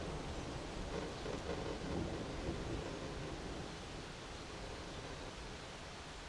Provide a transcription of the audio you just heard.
其旗帜校威斯康星大学麦迪逊分校坐落于美国密歇根湖西岸的威斯康星州首府麦迪逊市。